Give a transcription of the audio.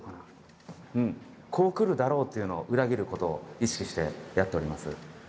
こう来るだろうっていうのを裏切る事を意識してやっております。